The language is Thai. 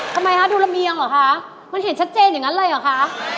ทำไมคะดูระเบียงเหรอคะมันเห็นชัดเจนอย่างนั้นเลยเหรอคะ